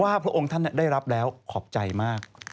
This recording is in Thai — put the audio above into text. พระองค์ท่านได้รับแล้วขอบใจมาก